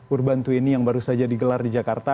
urban dua puluh yang baru saja digelar di jakarta